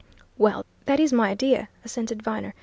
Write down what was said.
"Well, that is my idea!" assented Viner.